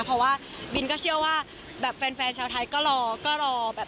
เพราะว่าบิ๊นก็เชื่อว่าแฟนชาวไทยก็รอ